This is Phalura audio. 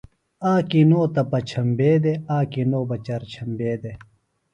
آکی نو تہ پچھمبے دےۡ آکی نو بہ چرچھمبے دےۡ